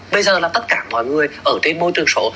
bây giờ là tất cả mọi người ở cái môi trường số